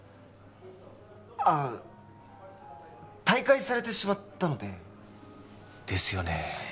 ああ退会されてしまったのでですよね